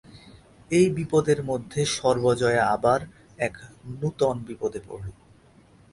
এই বিপদের মধ্যে সর্বজয়া আবার এক নূতন বিপদে পড়ল।